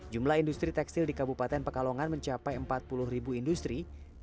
jumlah industri tekstil di kabupaten pekalongan mencapai empat puluh ribu industri